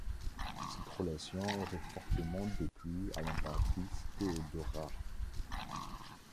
Cette relation aurait fortement déplu à l'impératrice Théodora.